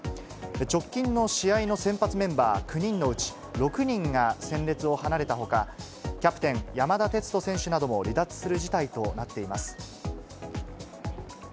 直近の試合の先発メンバー９人のうち、６人が戦列を離れたほか、キャプテン、山田哲人選手なども離脱する事態となっています。